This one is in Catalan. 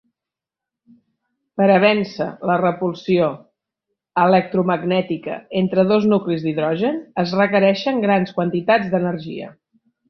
Per a vèncer la repulsió electromagnètica entre dos nuclis d'hidrogen es requereixen grans quantitats d'energia.